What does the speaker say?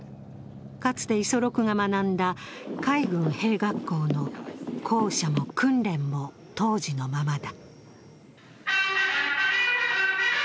かつて五十六が学んだ海軍兵学校の校舎も訓練も当時のままだ。